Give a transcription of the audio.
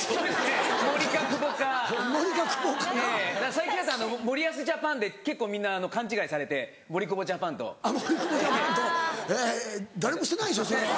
最近だと森保ジャパンで結構みんな勘違いされて森久保ジャパンと。あっ森久保ジャパンと。誰もしてないでしょそれは。